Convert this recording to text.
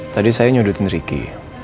tadi saya nyudutin ricky